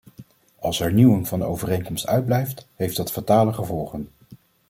Als hernieuwing van de overeenkomst uitblijft, heeft dat fatale gevolgen.